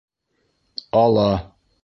Ала!